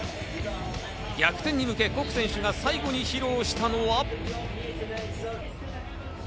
逆転に向け、コク選手が最後に披露したのは。